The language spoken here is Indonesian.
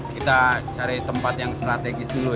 kita cari tempat yang strategis dulu